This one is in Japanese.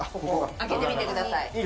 開けてみてください。